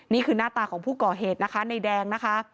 นี่คือหน้าตาของผู้ก่อเหตุนะคะในแดงนะคะ